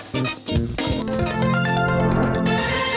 สวัสดีครับ